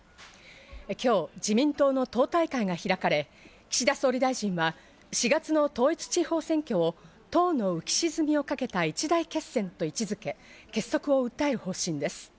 今日、自民党の党大会が開かれ、岸田総理大臣は４月の統一地方選挙を頭の浮き沈みをかけた一大決戦と位置付け、結束を訴える方針です。